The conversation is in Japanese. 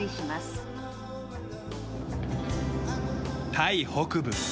タイ北部。